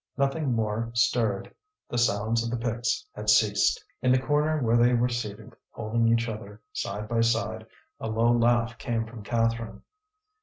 Nothing more stirred, the sound of the picks had ceased. In the corner where they were seated holding each other, side by side, a low laugh came from Catherine.